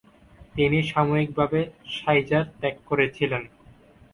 তিনি সাময়িকভাবে শাইজার ত্যাগ করেছিলেন।